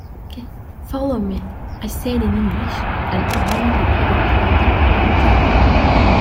'Follow me,' I said in English, and O'Neil repeated the order in German.